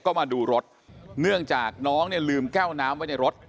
ก็มาดูรถเนื่องจากน้องเนี่ยลืมแก้วน้ำไว้ในรถ